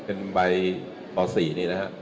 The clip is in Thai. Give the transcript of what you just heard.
เป็นใบต๔นี้นะครับ